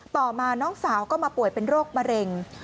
ต่อมาน้องสาวก็มาป่วยเป็นโรคมะเร็ง